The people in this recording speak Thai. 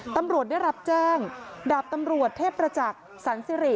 ตำรวจได้รับแจ้งดาบตำรวจเทพประจักษ์สันสิริ